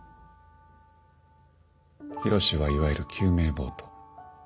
緋炉詩はいわゆる救命ボート。